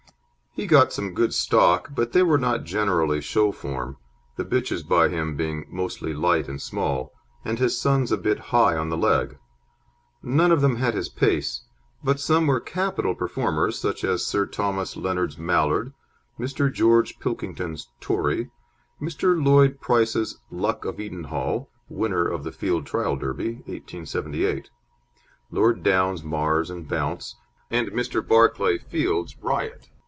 He got some good stock, but they were not generally show form, the bitches by him being mostly light and small, and his sons a bit high on the leg. None of them had his pace, but some were capital performers, such as Sir Thomas Lennard's Mallard, Mr. George Pilkington's Tory, Mr. Lloyd Price's Luck of Edenhall, winner of the Field Trial Derby, 1878; Lord Downe's Mars and Bounce, and Mr. Barclay Field's Riot.